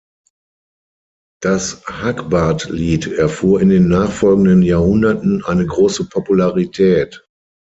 Das Hagbard-Lied erfuhr in den nachfolgenden Jahrhunderten eine große Popularität.